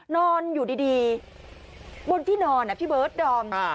นอนอยู่ดีบนที่นอนพี่เบิร์ดดอม